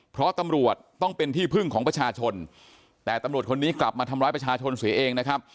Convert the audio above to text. เพราะตำรวจต้องเป็นที่พึ่งของประชาชนแต่ตำรวจคนนี้กลับมาทำร้ายประชาชนเสียเองนะครับ